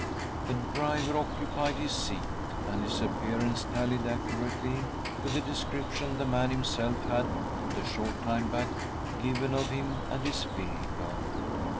The driver occupied his seat, and his appearance tallied accurately with the description the man himself had/but a short time back, given of him and his vehicle.